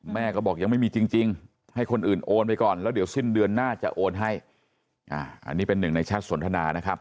แม่ก็บอกยังไม่มีจริงให้คนอื่นโอนไปก่อนแล้วเดี๋ยวสิ้นเดือนหน้าจะโอนให้อันนี้เป็นหนึ่งในแชทสนทนานะครับ